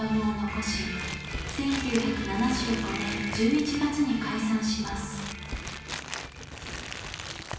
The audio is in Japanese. １９７５年１１月に解散します。